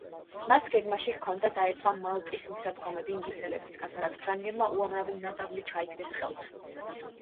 მას გეგმაში ჰქონდა დაეცვა მალტის მისადგომები ინგლისელებისგან, სადაც ფრანგებმა უამრავი ნადავლი ჩაიგდეს ხელთ.